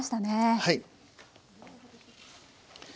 はい。